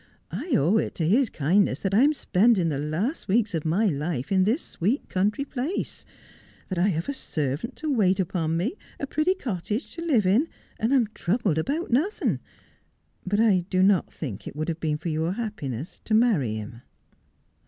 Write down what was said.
I owe it to his kindness that I am spending the last weeks of my life in this sweet country place ; that I have a servant to wait upon me, a pretty cottage to live in, and am troubled about nothing. But I do not think it would have been for your happiness to marry him.'